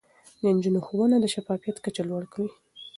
د نجونو ښوونه د شفافيت کچه لوړه کوي.